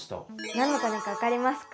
何のタネか分かりますか？